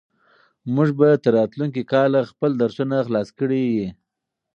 موږ به تر راتلونکي کاله خپل درسونه خلاص کړي وي.